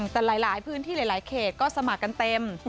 แต่หลายพื้นที่หลายเขตก็สมัครกันเต็ม